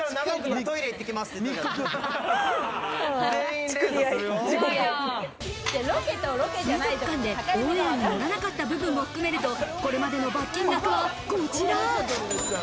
水族館でオンエアにのらなかった部分も含めると、これまでの罰金額はこちら。